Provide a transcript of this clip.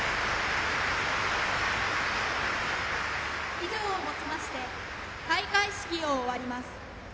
以上をもちまして開会式を終わります。